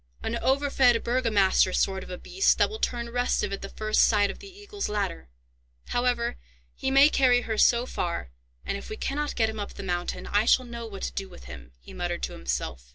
An overfed burgomaster sort of a beast, that will turn restive at the first sight of the Eagle's Ladder! However, he may carry her so far, and, if we cannot get him up the mountain, I shall know what to do with him," he muttered to himself.